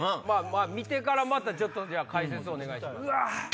見てからまた解説をお願いします。